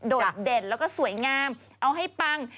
โดดเด่นแล้วก็สวยงามเอาให้ปัง